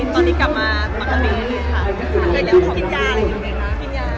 และก็มันจะเพีย์นิดหน่อย